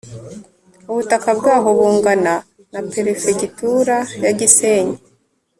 ubutaka bwaho bungana na perefegitura ya gisenyi,